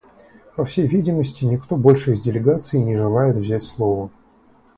По всей видимости, никто больше из делегаций не желает взять слово.